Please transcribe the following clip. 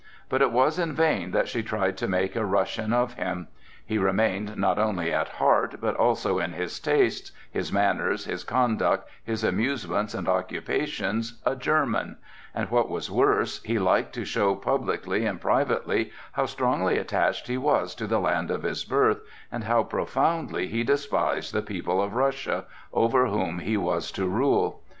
But it was in vain that she tried to make a Russian of him; he remained not only at heart, but also in his tastes, his manners, his conduct, his amusements and occupations a German; and what was worse, he liked to show publicly and privately how strongly attached he was to the land of his birth, and how profoundly he despised the people of Russia, over whom he was to rule.